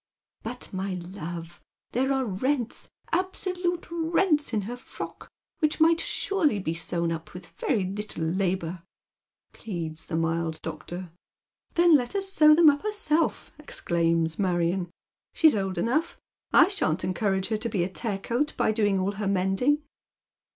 " But, my love, there are rents, absolute rents in her frock which might surely be sewn up with very little labour," pleads the mild doctor. " Then let her sew them up herself," exclaims Marion, " she's old enough. I shan't encourage her to be a tear coat by doiiig all her mending."